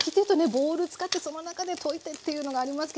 ボウル使ってその中で溶いてっていうのがありますけど。